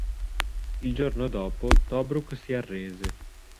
Il giorno dopo Tobruk si arrese.